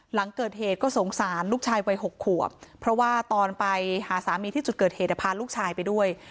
หลังเกิดเหตุก็สงสารลูกชายวัย๖ขวบเพราะว่าตอนไปหาสามีที่จุดเกิดเหตุพาลูกชายไปด้วย